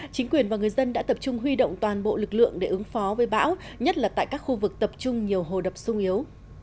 chính quyền và người dân đã tập trung huy động toàn bộ lực lượng để ứng phó với bão nhất là tại các khu vực tập trung nhiều hồ đập sung yếu